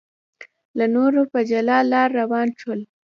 له نورو په جلا لار روان شول.